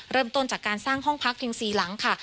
เริ่มต้นจากการสร้างห้องพักเพียง๔หลังค่ะ